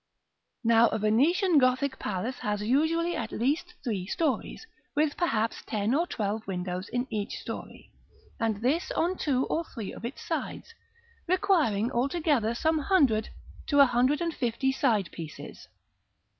Now a Venetian Gothic palace has usually at least three stories; with perhaps ten or twelve windows in each story, and this on two or three of its sides, requiring altogether some hundred to a hundred and fifty side pieces.